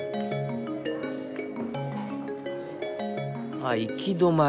あっ行き止まり。